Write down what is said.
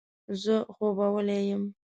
زه خوبولی یم.